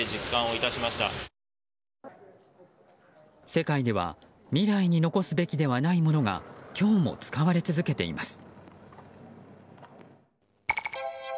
世界では未来に残すべきではないものが今日も使われ続けています。